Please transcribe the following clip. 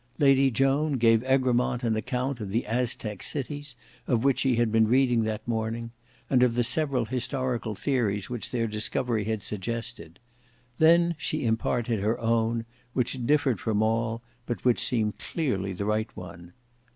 Lady Joan gave Egremont an account of the Aztec cities, of which she had been reading that morning, and of the several historical theories which their discovery had suggested; then she imparted her own, which differed from all, but which seemed clearly the right one.